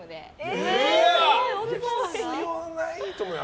必要ないと思うよ